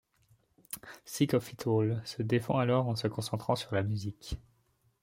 Sick of It All se défend alors en se concentrant sur la musique.